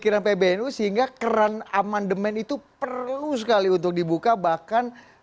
terutama cost sosial konflik yang sangat mengkhawatirkan untuk ketua umum pbnu